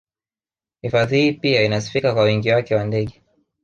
Hifadhi hii pia inasifika kwa wingi wake wa ndege